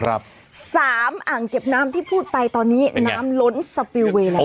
สามอ่างเก็บน้ำที่พูดไปตอนนี้น้ำล้นสปิลเวย์แล้ว